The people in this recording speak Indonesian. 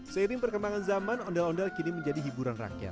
seiring perkembangan zaman ondel ondel kini menjadi hiburan rakyat